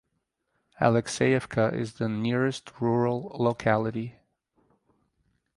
Alexeyevka is the nearest rural locality.